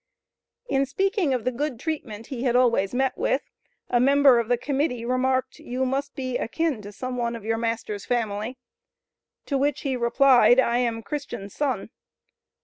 In speaking of the good treatment he had always met with, a member of the Committee remarked, "You must be akin to some one of your master's family?" To which he replied, "I am Christian's son."